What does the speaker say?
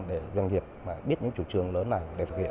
để doanh nghiệp biết những chủ trường lớn này